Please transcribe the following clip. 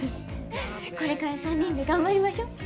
これから３人でがんばりましょ！